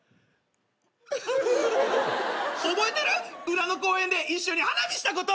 裏の公園で一緒に花火したこと。